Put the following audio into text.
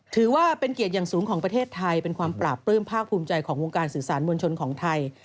ถือว่าเป็นเกียรติอย่างสูงของประเทศไทยเป็นความปราบปลื้มภาคภูมิใจของวงการสื่อสารมวลชนของไทย